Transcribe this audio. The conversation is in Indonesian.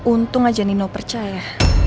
untung aja nino percaya